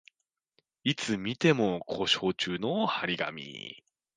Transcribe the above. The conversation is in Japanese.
いつ見ても故障中の張り紙